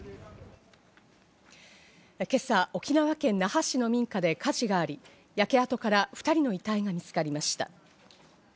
今朝、沖縄県那覇市の民家で火事があり、焼け跡から２人の遺体が見つかりました。